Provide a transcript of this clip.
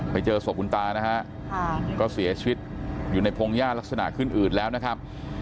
ไปเจอศพคุณตานะฮะก็เสียชีวิตอยู่ในพงหญ้าลักษณะขึ้นอืดแล้วนะครับ